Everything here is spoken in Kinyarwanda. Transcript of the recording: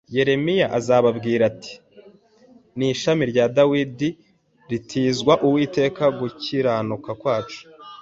Yeremiya azababwira ati : ni ishami rya Dawidi « Rizitwa Uwiteka gukiranuka kwacu.»